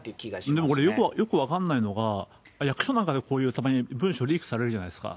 でも、これ、よく分かんないのが、役所なんかでこういうたまに文書リークされるじゃないですか。